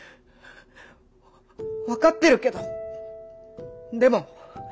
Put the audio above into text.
分かってるけどでも。